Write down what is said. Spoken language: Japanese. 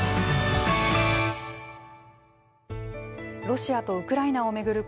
ロシアとウクライナを巡る